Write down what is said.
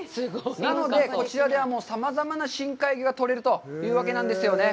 なのでこちらではさまざまな深海魚が取れるというわけなんですよね。